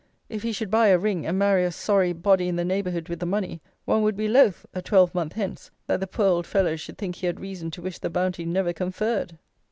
If he should buy a ring, and marry a sorry body in the neighbourhood with the money, one would be loth, a twelvemonth hence, that the poor old fellow should think he had reason to wish the bounty never conferred.